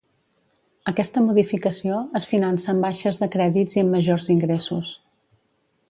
Aquesta modificació es finança amb baixes de crèdits i amb majors ingressos.